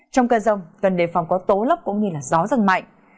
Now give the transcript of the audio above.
trong cơn rồng gần đề phòng có tố lốc cũng như gió rất mạnh